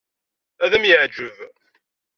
Ad am-yeɛjeb.